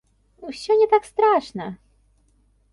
Усё не так страшна.